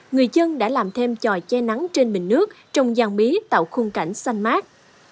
người dân đã làm thêm tròi che nắng trên bình nước trông gian bí tạo khung cảnh xanh mát